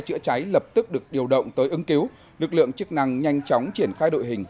chữa cháy lập tức được điều động tới ứng cứu lực lượng chức năng nhanh chóng triển khai đội hình